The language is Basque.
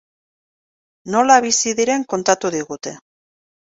Nola bizi diren kontatu digute.